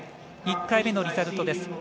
１回目のリザルトです。